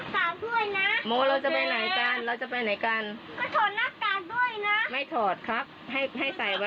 พาไปเที่ยวไปดูดันโนเสาร์นะ